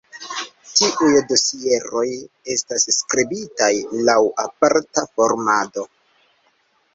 Tiuj dosieroj estas skribitaj laŭ aparta formato.